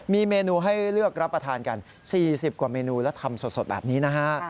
มีเมนูให้เลือกรับประทานกัน๔๐กว่าเมนูแล้วทำสดแบบนี้นะฮะ